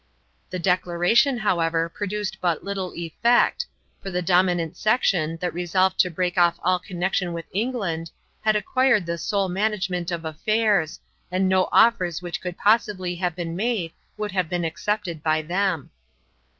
The declaration, however, produced but little effect, for the dominant section, that resolved to break off all connection with England, had acquired the sole management of affairs, and no offers which could possibly have been made would have been accepted by them.